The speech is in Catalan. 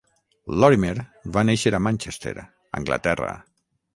Lorimer va néixer a Manchester (Anglaterra).